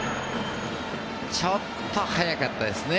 ちょっと早かったですね。